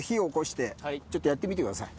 ちょっとやってみてください。